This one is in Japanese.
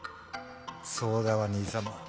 そうだわ兄様。